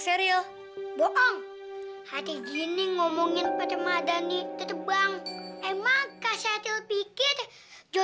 sampai jumpa di video selanjutnya